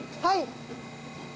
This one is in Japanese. はい。